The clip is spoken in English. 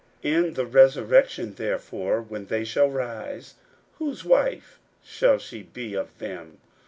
41:012:023 In the resurrection therefore, when they shall rise, whose wife shall she be of them?